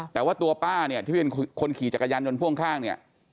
แต่ว่าตัวป้าที่เป็นคนขี่จักรยานยนต์พู่ข้างไม่อยาก